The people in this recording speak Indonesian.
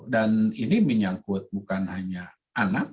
dan ini menyangkut bukan hanya anak